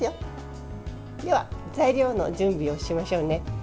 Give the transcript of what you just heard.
では材料の準備をしましょうね。